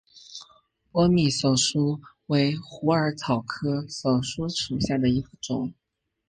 波密溲疏为虎耳草科溲疏属下的一个种。